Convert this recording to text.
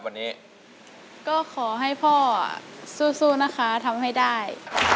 วันนี้ก็ขอให้พ่อสู้นะคะทำให้ได้